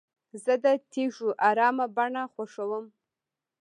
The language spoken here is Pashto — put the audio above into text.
زه د تیږو ارامه بڼه خوښوم.